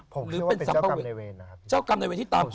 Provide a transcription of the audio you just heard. ผมเชื่อว่าเป็นเจ้ากรรมนายเวรนะครับ